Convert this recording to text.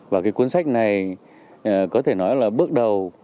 và cái cuốn sách này có thể nói là bước đầu